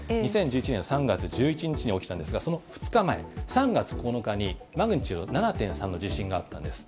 ２０１１年３月１１日に起きたんですが、その２日前、３月９日にマグニチュード７．３の地震があったんです。